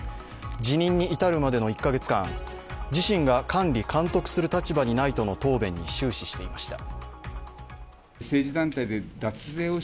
辞任に至るまでの１か月間自身が管理、監督する立場にないとの答弁に終始していました。